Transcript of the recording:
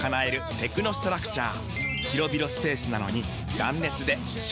テクノストラクチャー！